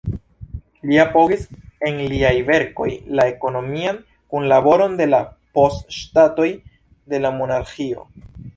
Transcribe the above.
Li apogis en liaj verkoj la ekonomian kunlaboron de la post-ŝtatoj de la Monarĥio.